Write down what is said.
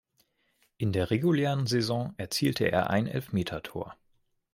In der regulären Saison erzielte er ein Elfmetertor.